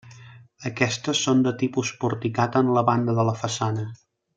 Aquestes són de tipus porticat en la banda de la façana.